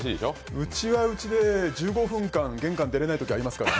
うちはうちで１５分間、玄関出れないときありますからね。